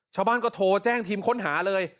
ชาวบ้านก็โทรแจ้งทีมค้นหาเลย